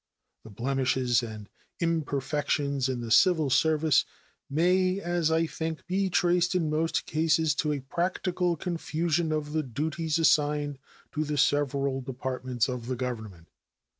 The blemishes and imperfections in the civil service may, as I think, be traced in most cases to a practical confusion of the duties assigned to the several Departments of the Government.